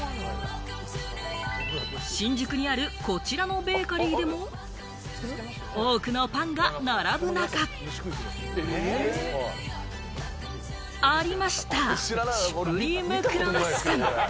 新宿にあるこちらのベーカリーでも、多くのパンが並ぶ中、ありました、シュプリームクロワッサン！